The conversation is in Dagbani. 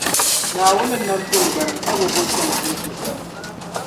Naawun n nam tiŋŋgbani ka bi bo soŋsim so sani.